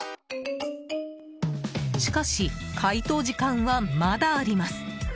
しかし、回答時間はまだあります。